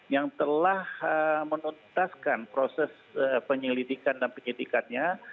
yang telah menuntaskan proses penyelidikan dan penyidikannya